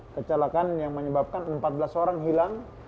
kecelakaan yang menyebabkan empat belas orang hilang